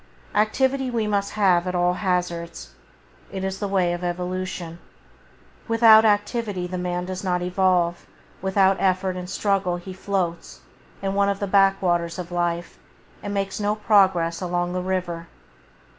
Activity we must have at all hazards; it is the way of evolution. Without activity the man does not evolve without effort and struggle he floats in one of the backwaters of life, and makes no progress along the river.